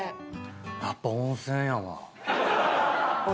やっぱ温泉やわ。